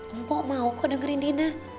mpo mau kok dengerin dina